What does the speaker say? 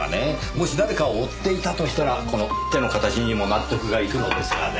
もし誰かを追っていたとしたらこの手の形にも納得がいくのですがね。